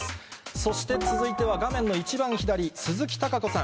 そして続いては画面の一番左、鈴木貴子さん。